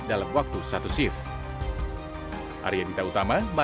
dalam waktu satu shift